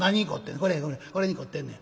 「これこれに凝ってんねん」。